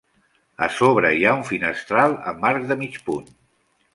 A sobre hi ha un finestral amb arc de mig punt.